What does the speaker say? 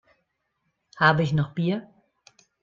Habe ich noch Bier?